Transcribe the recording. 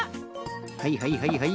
はいはいはいはい。